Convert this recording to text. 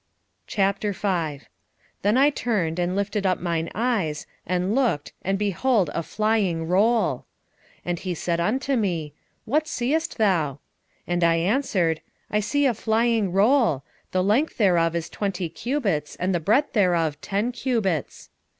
5:1 Then I turned, and lifted up mine eyes, and looked, and behold a flying roll. 5:2 And he said unto me, What seest thou? And I answered, I see a flying roll; the length thereof is twenty cubits, and the breadth thereof ten cubits.